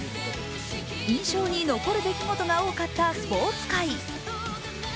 印象に残る出来事が多かったスポーツ界。